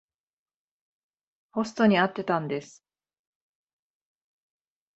ホストに会ってたんです。